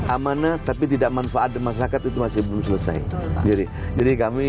amanah tapi tidak manfaat masyarakat itu masih belum selesai jadi kami